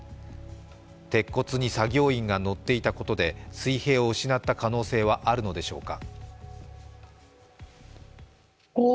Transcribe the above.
鉄骨に作業員が乗っていたことで水平を失った可能性はあるのでしょうか。